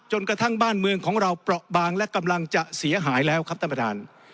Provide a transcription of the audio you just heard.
กระทั่งบ้านเมืองของเราเปราะบางและกำลังจะเสียหายแล้วครับท่านประธาน